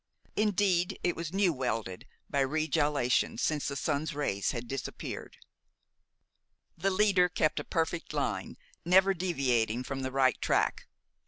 Indeed, it was new welded by regelation since the sun's rays had disappeared. The leader kept a perfect line, never deviating from the right track.